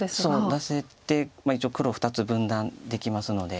出せて一応黒２つ分断できますので。